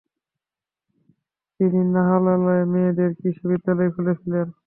তিনি নাহলালে মেয়েদের কৃষি বিদ্যালয় খুলেছিলেন।